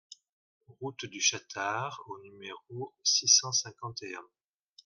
Route du Chatar au numéro six cent cinquante et un